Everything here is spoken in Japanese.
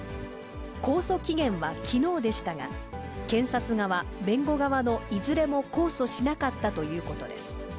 控訴期限はきのうでしたが、検察側、弁護側のいずれも控訴しなかったということです。